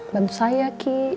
bantu saya ki